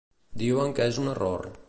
Diuen que és un error.